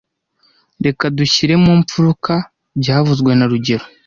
Reka dushyire mu mfuruka byavuzwe na rugero